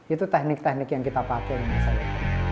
itu teknik teknik yang kita pakai misalnya